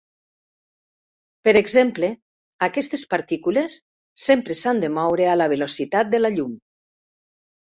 Per exemple, aquestes partícules sempre s'han de moure a la velocitat de la llum.